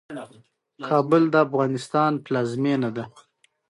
د لوبیا په هکله نور معلومات.